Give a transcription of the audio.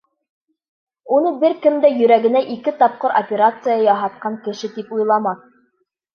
Уны бер кем дә йөрәгенә ике тапҡыр операция яһатҡан кеше тип уйламаҫ.